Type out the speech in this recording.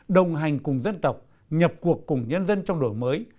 đồng hành cùng dân tộc nhập cuộc cùng nhân dân trong đổi mới